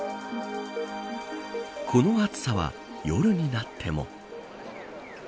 この暑さは夜になっても。